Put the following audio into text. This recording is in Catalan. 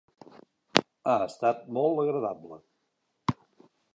Ha estat molt agradable.